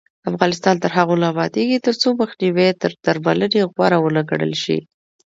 افغانستان تر هغو نه ابادیږي، ترڅو مخنیوی تر درملنې غوره ونه ګڼل شي.